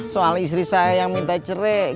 soal istri saya yang minta cerai